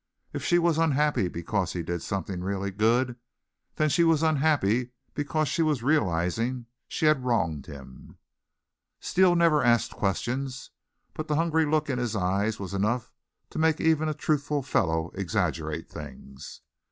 If she was unhappy because he did something really good, then she was unhappy because she was realizing she had wronged him. Steele never asked questions, but the hungry look in his eyes was enough to make even a truthful fellow exaggerate things.